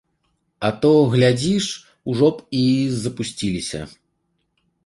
А то, глядзіш, ужо б і запусціліся.